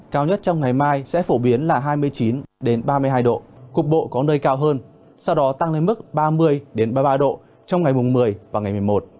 cao nhất trong ngày mai sẽ phổ biến là hai mươi chín ba mươi hai độ cục bộ có nơi cao hơn sau đó tăng lên mức ba mươi ba mươi ba độ trong ngày mùng một mươi và ngày một mươi một